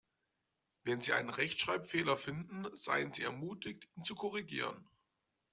Wenn Sie einen Rechtschreibfehler finden, seien Sie ermutigt, ihn zu korrigieren.